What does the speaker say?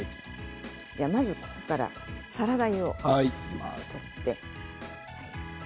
まず、ここからサラダ油を入れて。